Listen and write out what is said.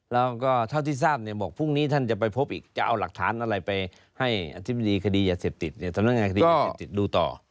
แล้วก็เท่าที่ทราบเนี่ยบอกพรุ่งนี้ท่านจะไปพบอีกจะเอาหลักฐานอะไรไปให้อธิบดีคดียาเสพติดเนี่ยสำนักงานคดีดูต่อ